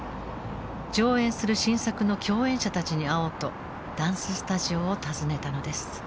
上演する新作の共演者たちに会おうとダンススタジオを訪ねたのです。